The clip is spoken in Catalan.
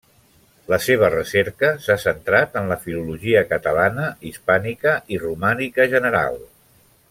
La seva recerca s'ha centrat en la filologia catalana, hispànica i romànica general.